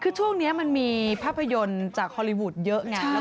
คือช่วงนี้มันมีภาพยนตร์จากฮอลลีวูดเยอะไง